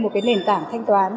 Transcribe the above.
một nền tảng thanh toán